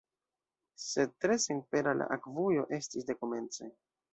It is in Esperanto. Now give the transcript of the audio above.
Sed tre senpera la akvujo estis de komence.